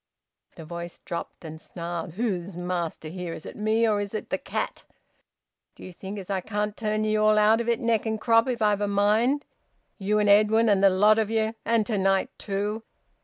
The voice dropped and snarled. "Who's master here? Is it me, or is it the cat? D'ye think as I can't turn ye all out of it neck and crop, if I've a mind? You and Edwin, and the lot of ye! And to night too!